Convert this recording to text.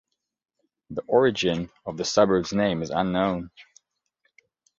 The origin of the suburb's name is unknown.